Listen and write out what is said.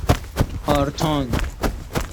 آرتان